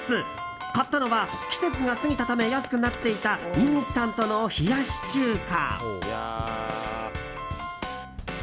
買ったのは季節が過ぎたため安くなっていたインスタントの冷やし中華。